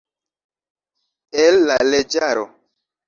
El la leĝaro.